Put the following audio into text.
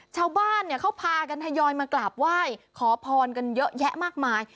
ชาวบ้านเขาพากันทยอยมากราบไหว้ขอพรกันเยอะแยะมากมาย